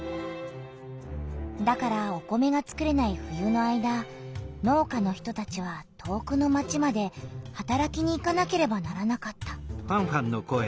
だからお米がつくれない冬の間農家の人たちは遠くの町まではたらきに行かなければならなかった。